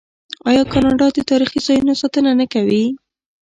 آیا کاناډا د تاریخي ځایونو ساتنه نه کوي؟